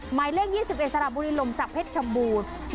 หมายเลข๒๑สระบุรีลมศักดิเพชรชมบูรณ์